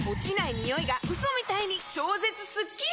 ニオイがウソみたいに超絶スッキリ‼